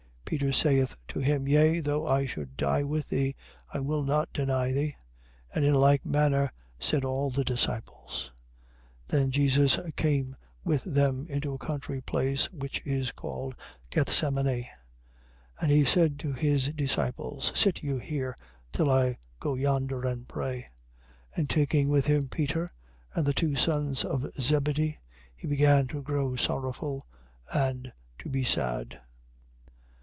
26:35. Peter saith to him: Yea, though I should die with thee, I will not deny thee. And in like manner said all the disciples. 26:36. Then Jesus came with them into a country place which is called Gethsemani. And he said to his disciples: Sit you here, till I go yonder and pray. 26:37. And taking with him Peter and the two sons of Zebedee, he began to grow sorrowful and to be sad.